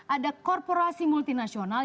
ada korporasi multinasional